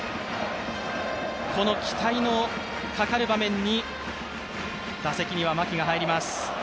この期待のかかる場面に打席には牧が入ります。